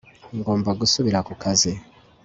ngomba gusubira ku kazi